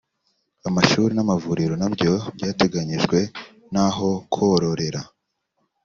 amashuri n’amavuriro na byo byarateganyijwe n’aho kororera